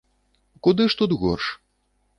Куды ж тут горш?